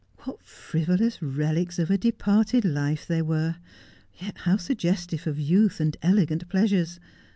What frivolous relics of a departed life they were, yet how suggestive of youth and elegant pleasures